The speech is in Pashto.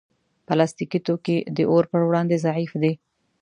پلاستيکي توکي د اور پر وړاندې ضعیف دي.